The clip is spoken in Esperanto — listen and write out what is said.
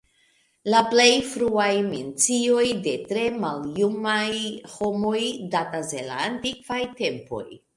La plej fruaj mencioj de tre maljumaj homoj datas el la antikvaj tempoj.